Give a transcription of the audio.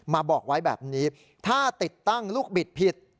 บอกไว้แบบนี้ถ้าติดตั้งลูกบิดผิด